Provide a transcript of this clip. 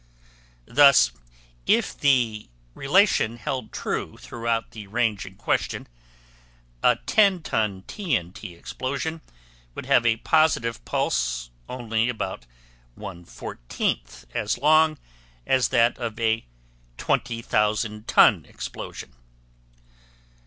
Thus, if the relation held true throughout the range in question, a 10 ton T.N.T. explosion would have a positive pulse only about 1/14th as long as that of a 20,000 ton explosion.